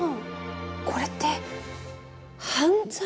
これって犯罪？